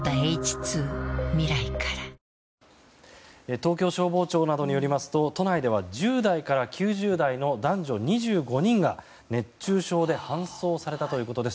東京消防庁などによりますと、都内では１０代から９０代の男女２５人が熱中症で搬送されたということです。